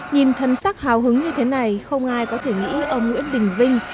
nhìn thấy sắc hào hứng như thế này không ai có thể nghĩ ông nguyễn đình vinh